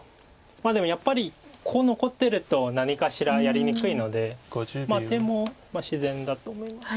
でもやっぱりコウ残ってると何かしらやりにくいのでアテも自然だと思います。